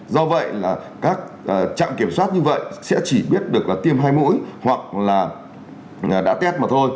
do vậy là các trạm kiểm soát như vậy sẽ chỉ biết được là tiêm hai mũi hoặc là đã test mà thôi